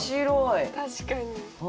確かに。